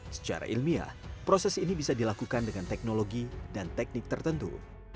secara ilmiah proses ini bisa dilakukan dengan teknologi dan teknik tertentu